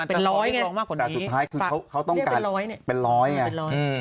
เป็นร้อยไงแต่สุดท้ายคือเขาต้องการเป็นร้อยไง